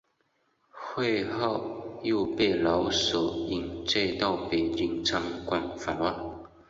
会后又被老舍引介到北京参观访问。